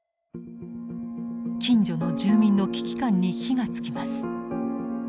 近所の住民の危機感に火がつきます。